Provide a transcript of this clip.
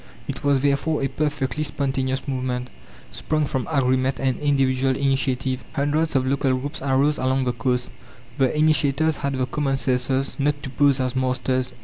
It was therefore a perfectly spontaneous movement, sprung from agreement and individual initiative. Hundreds of local groups arose along the coasts. The initiators had the common senses not to pose as masters.